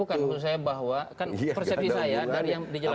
bukan menurut saya bahwa kan persepsi saya dari yang dijelaskan